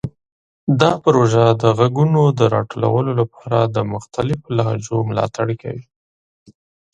دا پروژه د غږونو د راټولولو لپاره د مختلفو لهجو ملاتړ کوي.